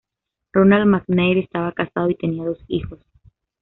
Ronald McNair estaba casado y tenía dos hijos.